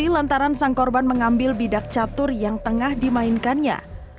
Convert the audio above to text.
lantaran sang korban mengambil bidak catur yang tengah dimainkannya